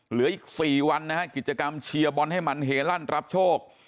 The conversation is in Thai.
เหลืออีก๔วันนะฮะกิจกรรมเชียร์บอลให้มันเฮลั่นรับโชค